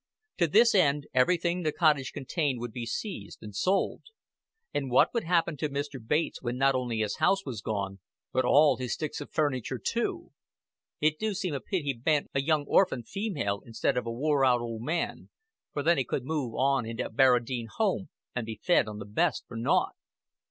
To this end everything the cottage contained would be seized and sold. And what would happen to Mr. Bates when not only his house was gone, but all his sticks of furniture too? "It do seem a pity he ben't a young orphan female instead of a wore out old man, for then he cud move on into Barradine Home and be fed on the best for naught."